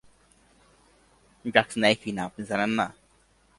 Drugs নেয় কি না আপনি জানেন না?